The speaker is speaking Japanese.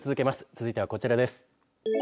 続いては、こちらです。